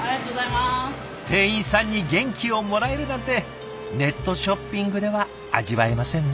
店員さんに元気をもらえるなんてネットショッピングでは味わえませんね。